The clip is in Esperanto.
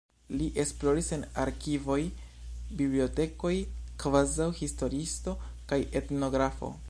Li esploris en arkivoj, bibliotekoj kvazaŭ historiisto kaj etnografo.